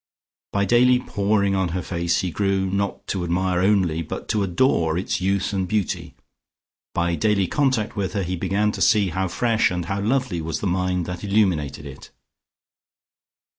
By daily poring on her face, he grew not to admire only but to adore its youth and beauty, by daily contact with her he began to see how fresh and how lovely was the mind that illuminated it.